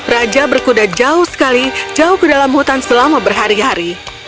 raja berkuda jauh sekali jauh ke dalam hutan selama berhari hari